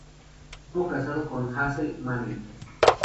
Estuvo casado con "Hazel Manning".